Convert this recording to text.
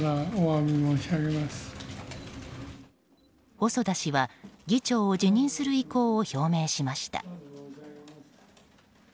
細田氏は、議長を辞任する意向を表明しました。